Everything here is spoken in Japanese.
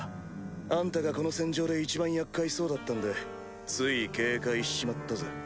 あんたがこの戦場で一番厄介そうだったんでつい警戒しちまったぜ。